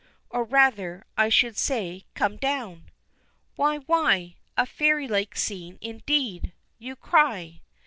Or, rather, I should say, come down! "Why, why! A fairylike scene indeed!" you cry.